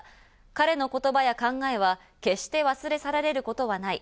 彼の言葉や考えは決して忘れ去られることはない。